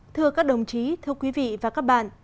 thưa các đồng chí thưa quý vị và các bạn